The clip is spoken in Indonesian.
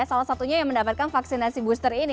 salah satunya yang mendapatkan vaksinasi booster ini